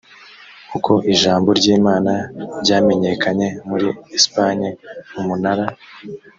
uko ijambo ry imana ryamenyekanye muri esipanye umunara